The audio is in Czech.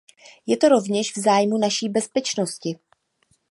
Je to rovněž v zájmu naší bezpečnosti.